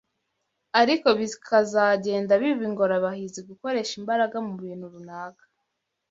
ariko bikazagenda biba ingorabahizi gukoresha imbaraga mu bintu runaka